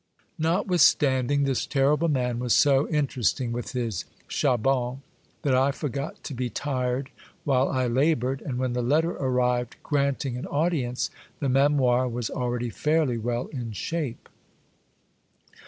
Notwithstanding, this terrible man was so inter esting with his Chabon that I forgot to be tired while I labored, and when the letter arrived grant ing an audience, the Memoir was already fairly well in shape.